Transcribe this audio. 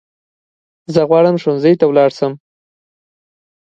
زه غواړم ښوونځی ته لاړ شم